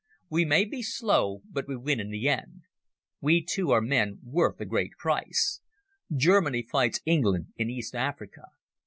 We may be slow but we win in the end. We two are men worth a great price. Germany fights England in East Africa.